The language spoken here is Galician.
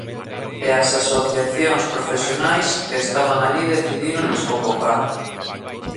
E as asociacións profesionais que estaban alí decidiron desconvocala.